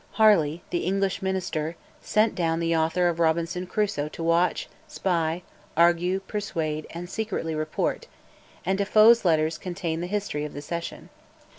Harley, the English Minister, sent down the author of 'Robinson Crusoe' to watch, spy, argue, persuade, and secretly report, and De Foe's letters contain the history of the session.